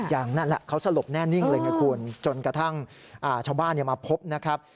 อย่างนั้นแหละเขาสลบแน่นิ่งเลยไงคุณจนกระทั่งชาวบ้านมาพบนะครับ